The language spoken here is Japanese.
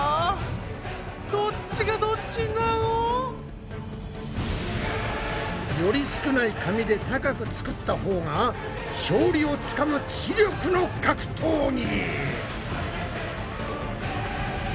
どっちがどっちなの？より少ない紙で高く作ったほうが勝利をつかむ知力の格闘技！